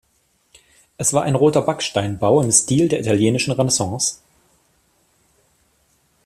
Es war ein roter Backsteinbau im Stil der italienischen Renaissance.